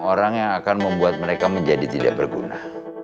orang yang akan membuat mereka menjadi tidak berguna